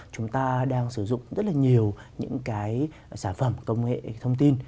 chúng ta đang sử dụng rất là nhiều những cái sản phẩm công nghệ thông tin